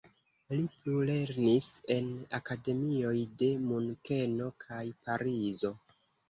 Li plulernis en akademioj de Munkeno kaj Parizo.